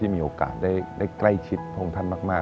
ที่มีโอกาสได้ใกล้ชิดพวกของท่านมาก